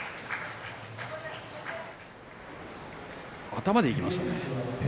頭でいきましたね。